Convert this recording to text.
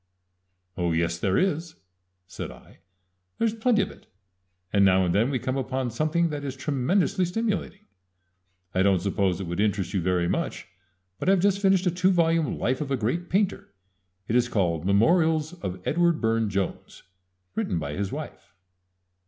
"Oh, yes, there is," said I. "There's plenty of it, and now and then we come upon something that is tremendously stimulating. I don't suppose it would interest you very much, but I have just finished a two volume life of a great painter it is called 'Memorials of Edward Burne Jones,' written by his wife."